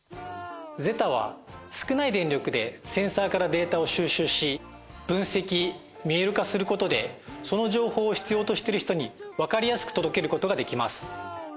ＺＥＴＡは少ない電力でセンサーからデータを収集し分析見える化することでその情報を必要としている人にわかりやすく届けることができます。